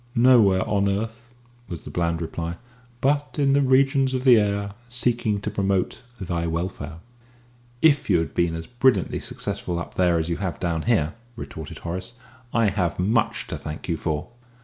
"Nowhere on earth," was the bland reply; "but in the regions of the air, seeking to promote thy welfare." "If you have been as brilliantly successful up there as you have down here," retorted Horace, "I have much to thank you for."